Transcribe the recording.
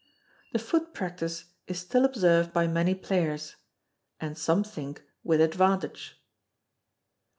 The foot practice is still observed by many players; and some think with advantage.